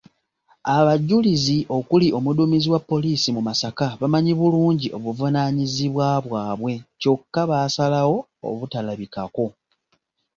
Abajulizi okuli omuduumizi wa poliisi mu Masaka bamanyi bulungi obuvunaanyizibwa bwabwe kyokka baasalawo obutalabikako.